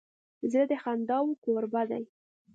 زړه د خنداوو کوربه دی.